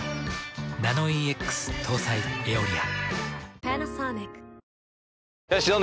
ナノイーＸ搭載「エオリア」。